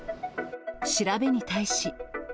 調べに対し。